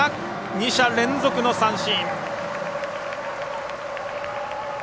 ２者連続の三振。